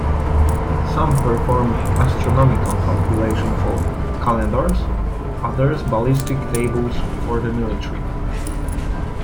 Some performed astronomical calculations for calendars, others ballistic tables for the military.